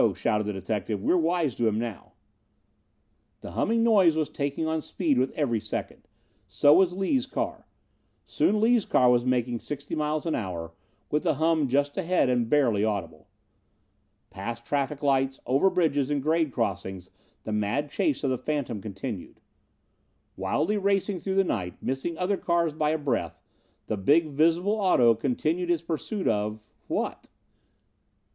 shouted the detective. "We're wise to him now." The humming noise was taking on speed with every second. So was Lees' car. Soon Lees' car was making sixty miles an hour with the hum just ahead and barely audible. Past traffic lights, over bridges and grade crossings the mad chase of the phantom continued. Wildly racing through the night, missing other cars by a breath, the big, visible auto continued its pursuit of what?